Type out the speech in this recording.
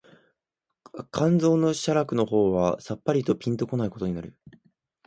肝腎の洒落の方はさっぱりぴんと来ないことになる